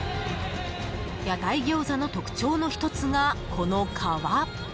屋台餃子の特徴の１つが、この皮。